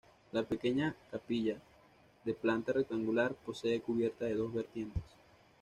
La pequeña capilla, de planta rectangular, posee cubierta a dos vertientes.